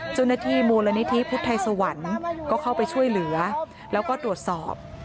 เจ้าหน้าที่มูลนิธิพุทธไทยสวรรค์ก็เข้าไปช่วยเหลือแล้วก็ตรวจสอบ